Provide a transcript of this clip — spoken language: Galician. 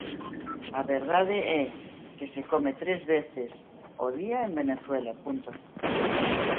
A verdade é que se come tres veces ao día en Venezuela, punto.